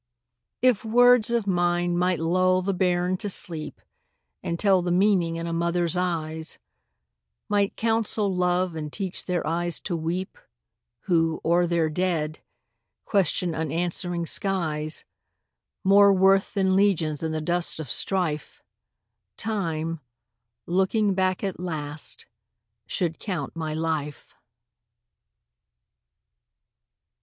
If words of mine might lull the bairn to sleep, And tell the meaning in a mother's eyes; Might counsel love, and teach their eyes to weep Who, o'er their dead, question unanswering skies, More worth than legions in the dust of strife, Time, looking back at last, should count my life.